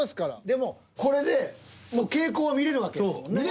でもこれで傾向は見れるわけですもんね。